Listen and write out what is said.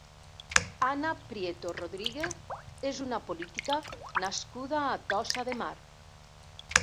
Anna Prieto Rodríguez és una política nascuda a Tossa de Mar.